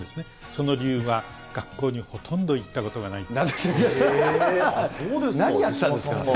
その理由は学校にほとんど行ったことがないと。